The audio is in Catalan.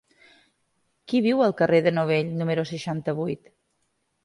Qui viu al carrer de Novell número seixanta-vuit?